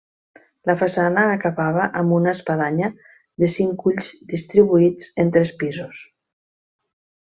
La façana acabava amb una espadanya de cinc ulls distribuïts en tres pisos.